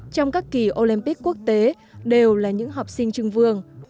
trong các kỳ olympic quốc tế đều là những học sinh trưng vương